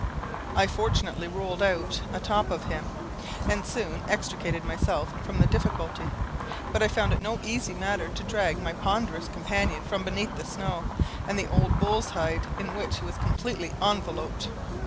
I fortunately rolled out a top of him, and soon extricated myself from the difficulty; but I found it no easy matter to drag my ponderous companion from beneath the snow, and the old bull's hide in which he was completely enveloped.